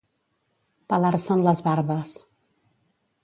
Pelar-se'n les barbes.